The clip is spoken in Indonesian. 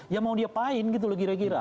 yang mau dia apaan gitu loh kira kira